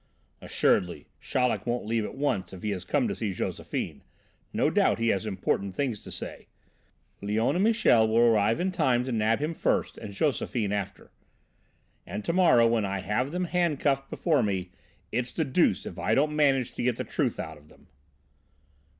"Assuredly Chaleck won't leave at once if he has come to see Josephine; no doubt he has important things to say. Léon and Michel will arrive in time to nab him first and Josephine after. And to morrow, when I have them handcuffed before me, it's the deuce if I don't manage to get the truth out of them."